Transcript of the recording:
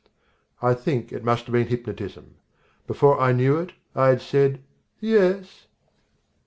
I think it must have been hypnotism. Before I knew it, I had said "Yes."